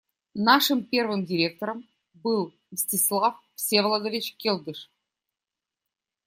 Нашим первым директором был Мстислав Всеволодович Келдыш.